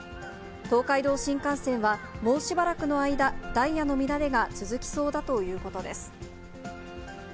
東海道新幹線はもうしばらくの間、ダイヤの乱れが続きそうだということです。